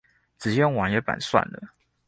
直接用網頁版算了